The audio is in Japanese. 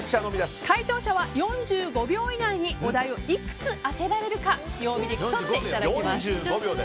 解答者は４５秒以内にお題をいくつ当てられるか曜日で競っていただきます。